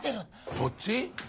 そっち？